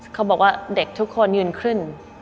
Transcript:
เขาบอกว่าเด็กทุกคนยืนขึ้น